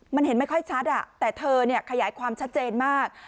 มันเห็นไม่ค่อยชัดแต่เธอขยายความชัดเจนมาก